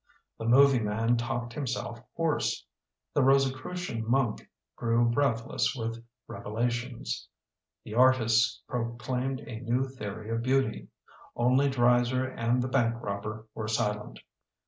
The movie man talked himself hoarse. The Rosicru cian monk grew breathless with reve lations. The artists proclaimed a new theory of beauty. Only Dreiser and the bank robber were silent.